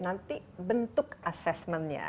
nanti bentuk assessmentnya